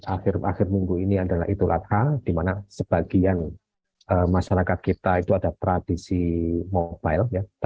akhir akhir minggu ini adalah idul adha di mana sebagian masyarakat kita itu ada tradisi mobile